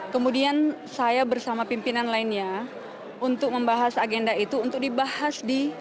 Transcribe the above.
kemudian saya bersama pimpinan lainnya untuk membahas agenda itu untuk dibahas di